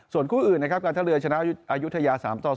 ส่วนคู่อื่นนะครับการทะเลชนะอายุทะยา๓๐